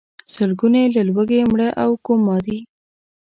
سلګونه یې له لوږې مړه او کوما دي.